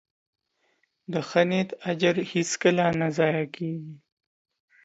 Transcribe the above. د ښه نیت اجر هیڅکله نه ضایع کېږي.